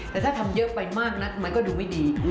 แต่ถ้าทำเยอะไปมากนักมันก็ดูไม่ดี